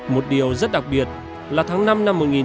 một điều rất đặc biệt là tháng năm năm một nghìn chín trăm sáu mươi năm